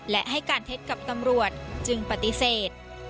และให้การเท็จกับตำรวจจึงปฏิเสธ